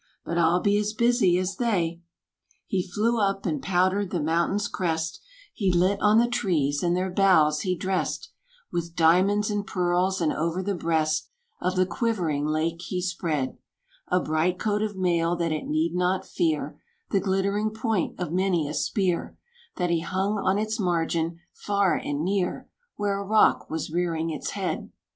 But I'll be as busy as they!" He flew up, and powdered the mountain's crest; He lit on the trees, and their boughs he drest With diamonds and pearls; and over the breast Of the quivering Lake he spread A bright coat of mail that it need not fear The glittering point of many a spear That he hung on its margin, far and near, Where a rock was rearing its head.